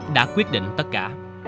đã quyết định tất cả